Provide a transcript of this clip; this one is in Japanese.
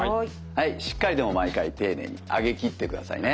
はいしっかりでも毎回丁寧に上げきってくださいね。